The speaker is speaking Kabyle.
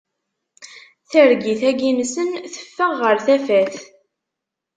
Targit-agi-nsen teffeɣ ɣer tafat.